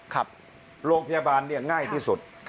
ครับโรงพยาบาลเนี่ยง่ายที่สุด